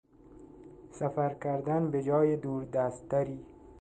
سفر کردن به جای دوردستتری